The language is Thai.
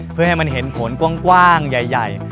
เพื่อให้มันเห็นผลกว้างใหญ่